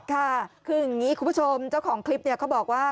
ค่ะคืออย่างนี้คุณผู้ชมเจ้าของคลิปเนี่ยเขาบอกว่า